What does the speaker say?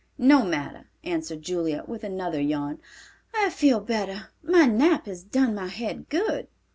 "No matter," answered Julia, with another yawn, "I feel better. My nap has done my head good."